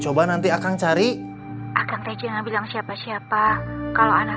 coba nanti akan cari akan rejina bilang siapa siapa kalau anak